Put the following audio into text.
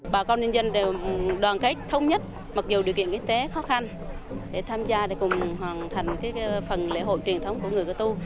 bà con nhân dân đều đoàn kết thống nhất mặc dù điều kiện kinh tế khó khăn để tham gia để cùng hoàn thành phần lễ hội truyền thống của người cơ tu